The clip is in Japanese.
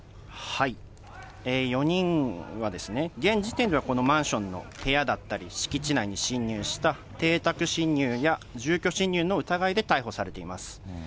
４人はですね、現時点ではこのマンションの部屋だったり敷地内に侵入した、邸宅侵入や住居侵入の疑いで逮捕されています。